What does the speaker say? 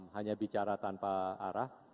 hanya bicara tanpa arah